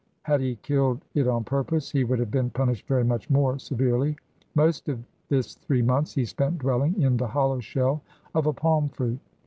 Had he killed it on purpose, he would have been punished very much more severely. Most of this three months he spent dwelling in the hollow shell of a palm fruit.